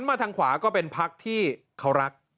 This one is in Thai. มาทางขวาก็เป็นพักที่เขารัก